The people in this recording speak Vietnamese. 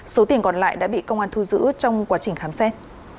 số tiền còn lại đã bị công an thu giữ trong quá trình khám xét